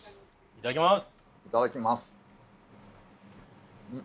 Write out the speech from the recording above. いただきます。